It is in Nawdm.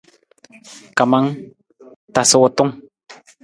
Kamang, tasa wutung.